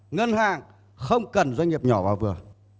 ngân hàng không cần doanh nghiệp nhỏ và vừa